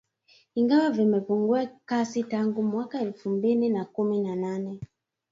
ingawa vimepungua kasi tangu mwaka elfu mbili na kumi na nane